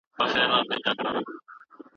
د شاګرد د ليکني املا او انشا مه سموه.